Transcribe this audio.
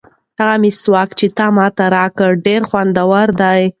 هغه مسواک چې تا ماته راکړ ډېر خوندور دی.